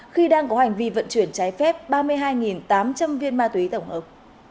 khi đang có hành vi vận chuyển trái phép ba mươi hai tám trăm linh viên ma túy tổng hợp